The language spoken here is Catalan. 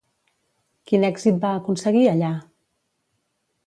Quin èxit va aconseguir allà?